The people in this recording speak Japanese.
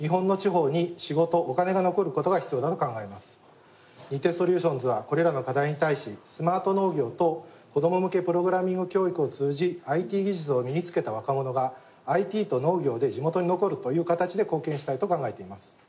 つまり日鉄ソリューションズはこれらの課題に対しスマート農業と子ども向けプログラミング教育を通じＩＴ技術を身につけた若者がＩＴと農業で地元に残るという形で貢献したいと考えています。